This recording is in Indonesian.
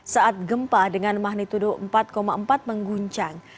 saat gempa dengan magnitudo empat empat mengguncang